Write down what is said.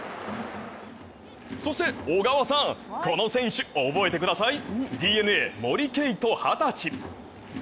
そして、小川さん、この選手を覚えてくださいＤｅＮＡ・森敬斗２０歳。